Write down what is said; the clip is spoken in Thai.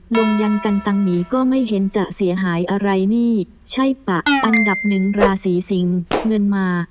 ลงยันกันตังหมีก็ไม่เห็นจะเสียหายอะไรนี่ใช่ปะอันดับหนึ่งราศีสิงเงินมา